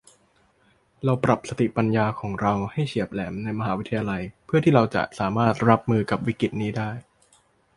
เราปรับสติปัญญาของเราให้เฉียบแหลมในมหาวิทยาลัยเพื่อที่เราจะสามารถรับมือกับวิกฤตินี้ได้